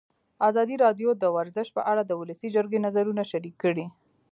ازادي راډیو د ورزش په اړه د ولسي جرګې نظرونه شریک کړي.